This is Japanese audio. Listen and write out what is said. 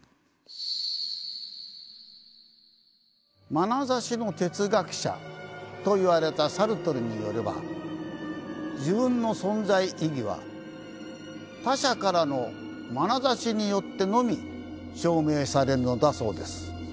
「まなざしの哲学者」といわれたサルトルによれば自分の存在意義は他者からのまなざしによってのみ証明されるのだそうです。